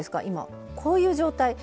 今こういう状態。